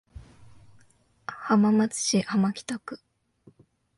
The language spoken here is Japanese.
浜松市浜北区